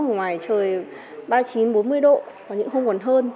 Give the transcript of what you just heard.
ngoài trời ba mươi chín bốn mươi độ có những hôm còn hơn